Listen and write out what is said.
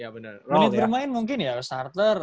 menit bermain mungkin ya starter